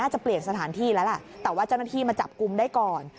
จะเปลี่ยนสถานที่แล้วแหละแต่ว่าเจ้าหน้าที่มาจับกลุ่มได้ก่อน